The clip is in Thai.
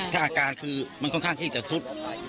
ถ้าอาการคือมันค่อนข้างที่จะสุด